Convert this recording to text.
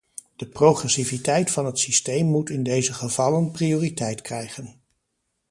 De progressiviteit van het systeem moet in deze gevallen prioriteit krijgen.